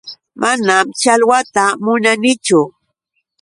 Manam challwata munanichu.